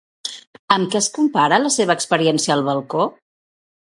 Amb què es compara la seva experiència al balcó?